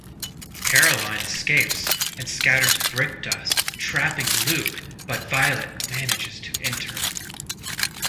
Caroline escapes and scatters brick dust, trapping Luke but Violet manages to enter.